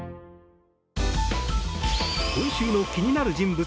今週の気になる人物